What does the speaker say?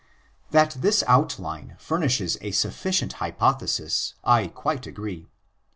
That this outline furnishes a sufficient hypothesis I quite agree.